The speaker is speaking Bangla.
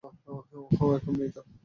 ও এখন মৃত।